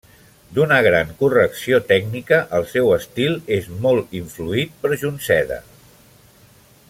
D'una gran correcció tècnica, el seu estil és molt influït per Junceda.